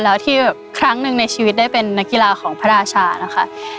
แล้วที่แบบครั้งหนึ่งในชีวิตได้เป็นนักกีฬาของพระราชานะคะ